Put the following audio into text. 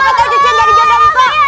cukupnya gak ada cucian dari jodoh kita